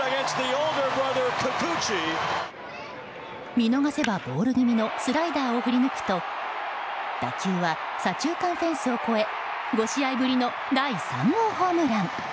見逃せばボール気味のスライダーを振り抜くと打球は左中間フェンスを越え５試合ぶりの第３号ホームラン。